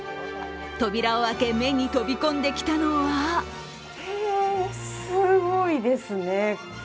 扉を開け、目に飛び込んできたのはすごいですね。